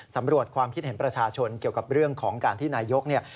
สำรวจความคิดเห็นประชาชนเกี่ยวกับเรื่องของการที่นายกเนี่ย